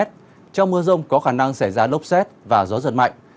trong mưa rông có khả năng xảy ra lốc xét và gió giật mạnh